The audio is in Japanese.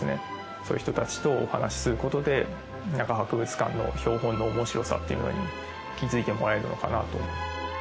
そういう人たちとお話することで博物館の標本のおもしろさっていうものに気づいてもらえるのかなと。